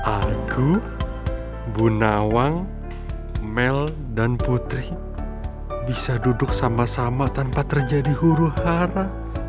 aku bu nawang mel dan putri bisa duduk sama sama tanpa terjadi huru hara